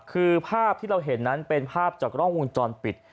คือภาพที่เราเห็นนั้นเป็นภาพจากกล้องวงจรปิด